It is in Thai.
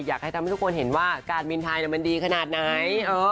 อยากให้ทำให้ทุกคนเห็นว่าการบินไทยมันดีขนาดไหน